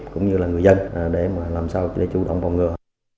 cũng như là người dân để làm sao để chủ động phòng ngừa